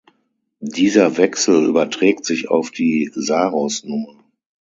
Dieser Wechsel überträgt sich auf die Saros-Nummer.